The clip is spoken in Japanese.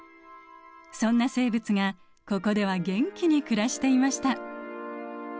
そんな生物がここでは元気に暮らしていました。